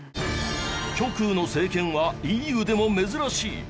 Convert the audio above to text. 極右の政権はＥＵでも珍しい。